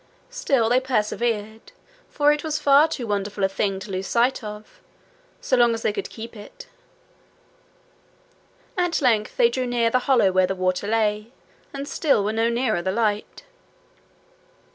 Still they persevered, for it was far too wonderful a thing to lose sight of, so long as they could keep it. At length they drew near the hollow where the water lay, and still were no nearer the light.